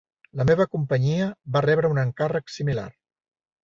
La meva companyia va rebre un encàrrec similar.